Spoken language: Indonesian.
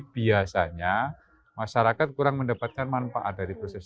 biasanya masyarakat kurang mendapatkan manfaat dari proses